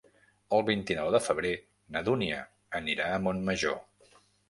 El vint-i-nou de febrer na Dúnia anirà a Montmajor.